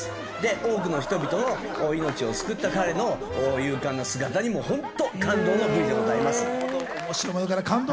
多くの人々を命を救った彼の勇敢な姿にも本当に感動のＶＴＲでございます。